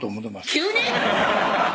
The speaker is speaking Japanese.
急に⁉